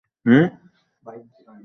তারপর সোজা বাবার থানায় ল্যান্ড করলাম।